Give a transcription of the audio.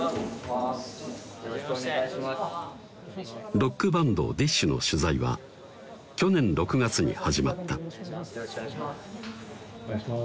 ロックバンド・「ＤＩＳＨ／／」の取材は去年６月に始まったよろしくお願いします